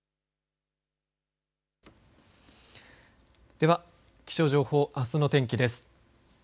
では気象情報あすの天気です。